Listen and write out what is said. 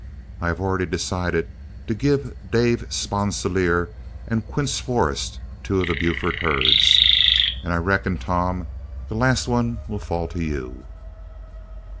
I have already decided to give Dave Sponsilier and Quince Forrest two of the Buford herds, and I reckon, Tom, the last one will fall to you."